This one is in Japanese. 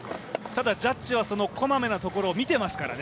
ただジャッジはこまめなところを見てますからね。